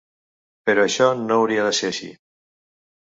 Però això no hauria de ser així.